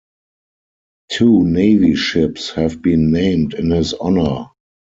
Two Navy ships have been named in his honor.